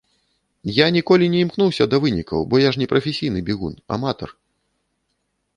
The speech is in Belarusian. Я ніколі не імкнуўся да вынікаў, бо я ж не прафесійны бягун, аматар.